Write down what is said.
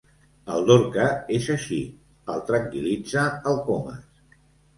El Dorca és així —el tranquil·litza el Comas—.